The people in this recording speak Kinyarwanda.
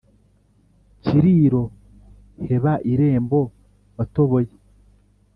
kiriro heba irembo watoboye